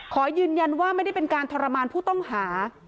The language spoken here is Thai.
ขอยืนยันว่าไม่ได้เป็นการทรมานผู้ต้องหา